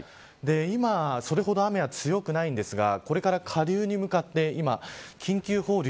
今、それほど雨が強くないんですがこれから下流に向かって今緊急放流。